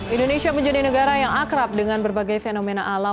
indonesia menjadi negara yang akrab dengan berbagai fenomena alam